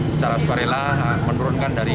secara sukarela menurunkan dari